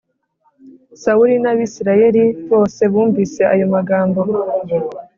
Sawuli n’Abisirayeli bose bumvise ayo magambo